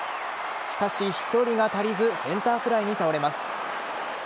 しかし飛距離が足りずセンターフライに倒れます。